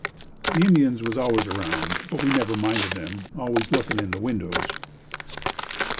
The Indians was always around, but we never minded them always lookin' in the windows.